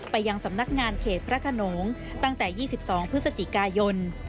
ไปยังสำนักงานเขตพระขนงตั้งแต่๒๒พฤศจิกายน